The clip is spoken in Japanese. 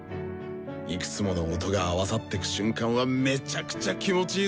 いくつもの音が合わさってく瞬間はめちゃくちゃ気持ちいいぞ。